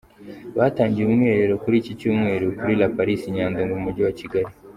Batangiye umwiherrero kuri iki Cyumweru kuri La Palisse i Nyandungu mu mujyi wa Kigali.